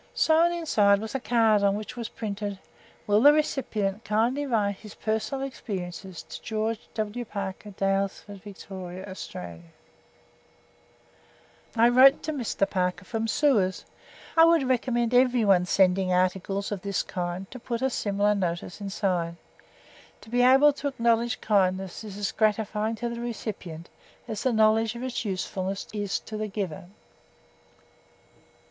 Sewn inside was a card on which was printed: "Will the recipient kindly write his personal experiences to George W. Parker, Daylesford, Victoria, Australia." I wrote to Mr. Parker from Suez. I would recommend everyone sending articles of this kind to put a similar notice inside. To be able to acknowledge kindness is as gratifying to the recipient as the knowledge of its usefulness is to the giver.